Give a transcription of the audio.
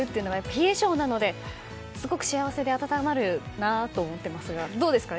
冷え性なので、すごく幸せで温まるなと思ってますがどうですか？